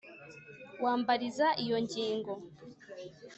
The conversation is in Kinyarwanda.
wambariza iyo ngingo.